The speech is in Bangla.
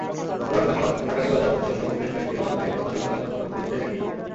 পুরান ঢাকার ঠাঁটারীবাজার, বংশালসহ বেশ কয়েকটি এলাকায় পাঞ্জাবি-পাজামার দোকানগুলোতেও একই চিত্র।